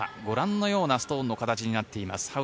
ご覧のようなストーンの形となっています